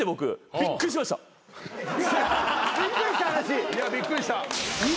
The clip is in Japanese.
びっくりしたね。